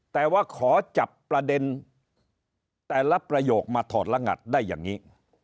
แต่ว่าขอจับประเด็นแต่ละประโยคมาถอดละงัดได้อย่างนี้